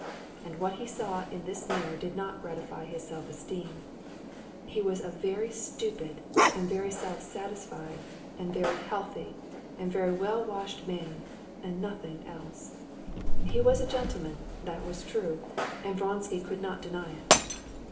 And what he saw in this mirror did not gratify his self esteem. He was a very stupid and very self satisfied and very healthy and very well washed man, and nothing else. He was a gentleman—that was true, and Vronsky could not deny it.